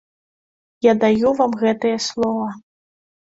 Я даю вам гэтае слова.